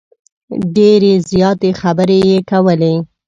ډیرې زیاتې خبرې یې کولې.